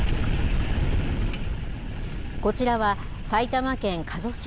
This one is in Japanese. こちらは埼玉県加須市。